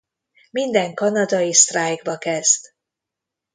Minden kanadai sztrájkba kezd.